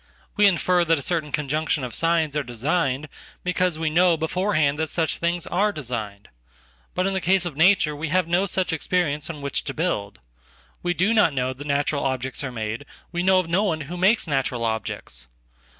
We infer that a certainconjunction of signs are designed because we know beforehand thatsuch things are designed. But in the case of nature we have no suchexperience on which to build. We do not know that natural objectsare made, we know of no one who makes natural objects.